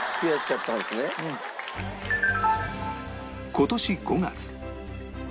今年５月